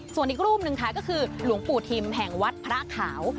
ส่วนอีกรูปหนึ่งค่ะก็คือหลวงปู่ทิมแห่งวัดพระขาว